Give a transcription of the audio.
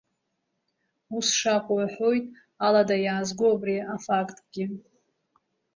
Ус шакәу аҳәоит алада иаазго абри афактгьы.